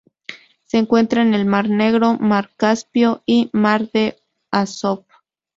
Se encuentra en el mar Negro, mar Caspio y mar de Azov.